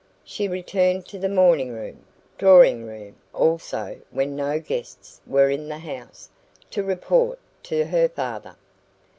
She returned to the morning room drawing room also when no guests were in the house to report to her father.